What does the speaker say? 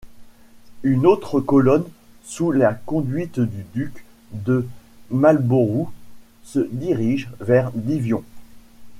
Une autre colonne sous la conduite du duc de Malborough se dirige vers Divion.